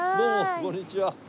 こんにちは。